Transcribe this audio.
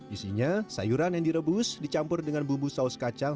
isinya sayuran yang direbus dicampur dengan bumbu saus kacang